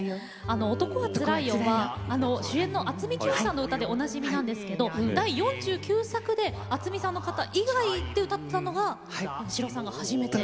「男はつらいよ」は主演の渥美清さんの歌でおなじみなんですが、第４９作で渥美さんの方以外で歌ったのが八代さんが初めてで。